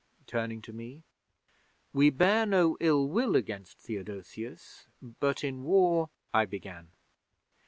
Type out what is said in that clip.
turning to me. '"We bear no ill will against Theodosius, but in War " I began.